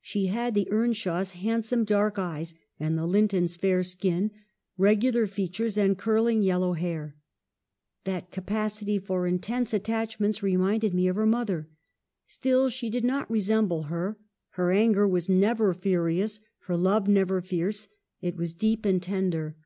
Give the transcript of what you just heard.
She had the Earnshaws' handsome dark eyes and the Lintons' fair skin, regular features and curling yellow hair. "That capacity for intense attachments reminded me of her mother. Still she did not resemble her ; her anger was never furious ; her love never fierce ; it was deep and tender."